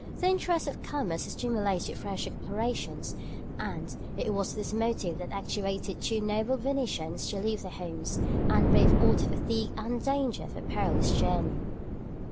The interests of commerce stimulated fresh explorations, and it was this motive that actuated two noble Venetians to leave their homes, and brave all the fatigue and danger of a perilous journey.